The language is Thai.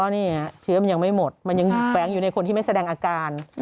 นี่ฮะเชื้อมันยังไม่หมดมันยังแฟ้งอยู่ในคนที่ไม่แสดงอาการ